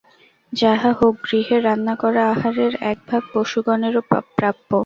যাহা হউক, গৃহে রান্না-করা আহারের একভাগ পশুগণেরও প্রাপ্য।